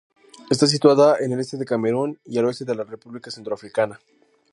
Está situada en el este de Camerún y el oeste de la República Centroafricana.